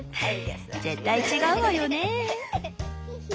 「絶対違うわよね」。